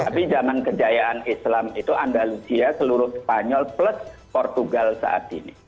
tapi zaman kejayaan islam itu andalusia seluruh spanyol plus portugal saat ini